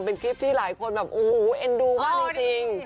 เป็นคลิปที่หลายคนแบบโอ้โหเอ็นดูมากจริง